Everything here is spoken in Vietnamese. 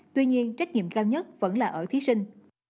tuy nhiên trách nhiệm cao nhất vẫn là ở thí sinh